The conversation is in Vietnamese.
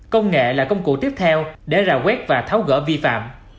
công nghệ là công cụ tiếp theo để rào quét và tháo gỡ vi phạm